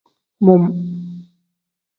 Mum.